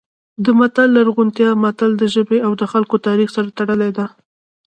د متل لرغونتیا زموږ د ژبې او خلکو تاریخ سره تړلې ده